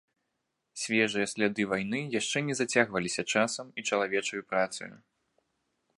Свежыя сляды вайны яшчэ не зацягваліся часам і чалавечаю працаю.